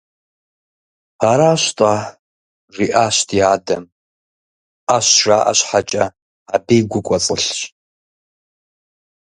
– Аращ–тӀэ, – жиӀащ ди адэм, – Ӏэщ жаӀэ щхьэкӀэ, абыи гу кӀуэцӀылъщ.